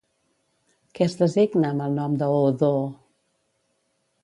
Què es designa amb el nom de Hoodoo?